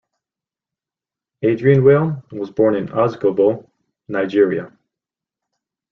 Aderinwale was born in Osogbo, Nigeria.